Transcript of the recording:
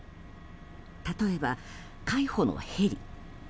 例えば海保のヘリ。